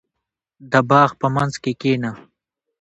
• د باغ په منځ کې کښېنه.